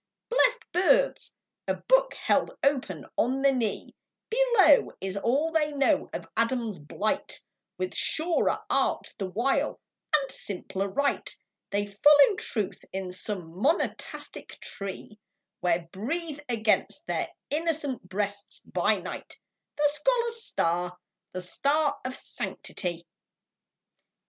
Blest birds! A book held open on the knee Below, is all they know of Adam's blight: With surer art the while, and simpler rite, They follow Truth in some monastic tree, Where breathe against their innocent breasts by night The scholar's star, the star of sanctity.